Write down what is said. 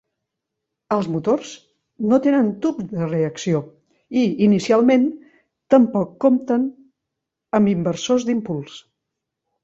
Els motors no tenen tubs de reacció i, inicialment, tampoc compten amb inversors d'impuls.